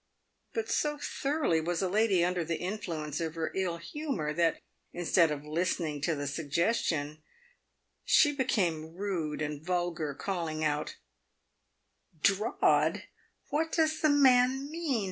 But so thoroughly was the lady under the influence of her ill humour that, instead of listening to the suggestion, she became rude and vulgar, calling out, "Drawed! what does the man mean?